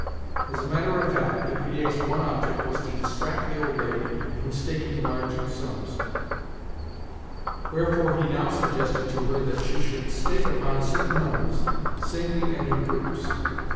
As a matter of fact, De Grier's one object was to distract the old lady from staking large sums; wherefore, he now suggested to her that she should stake upon certain numbers, singly and in groups.